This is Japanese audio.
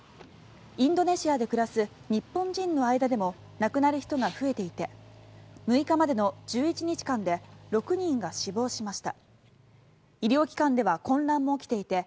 インドネシアで暮らす日本人の間でも亡くなる人が増えていて６日までの１１日間で６人が死亡しました。